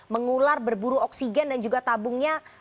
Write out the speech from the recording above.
mengular berburu oksigen dan juga tabungnya